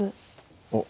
おっ。